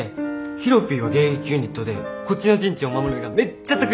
ヒロピーは迎撃ユニットでこっちの陣地を守るのがめっちゃ得意で。